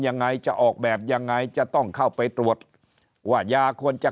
ยังไงจะออกแบบยังไงจะต้องเข้าไปตรวจว่ายาควรจะ